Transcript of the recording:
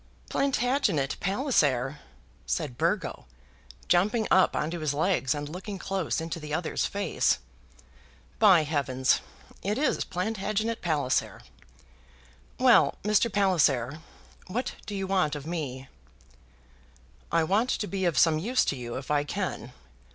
"Plantagenet Palliser?" said Burgo, jumping up on to his legs and looking close into the other's face. "By heavens! it is Plantagenet Palliser! Well, Mr. Palliser, what do you want of me?" "I want to be of some use to you, if I can.